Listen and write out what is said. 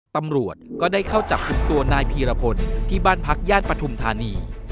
ตำรวจก็ได้เข้าจับกลุ่มตัวนายพีรพลที่บ้านพักย่านปฐุมธานี